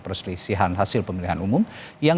perselisihan hasil pemilihan umum yang